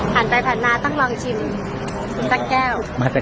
ผ่านไปผ่านมาต้องลองชิมสักแก้ว